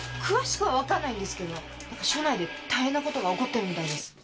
詳しくは分かんないんですけど何か署内で大変なことが起こってるみたいです。